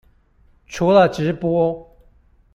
除了直播